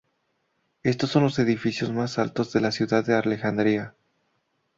Estos son los edificios más altos de la ciudad de Alejandría.